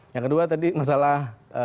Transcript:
yang kedua tadi masalah